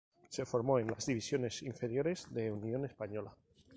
Se formó en las divisiones inferiores de Unión Española.